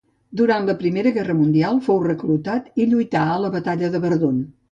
Durant la Primera Guerra Mundial fou reclutat i lluità a la batalla de Verdun.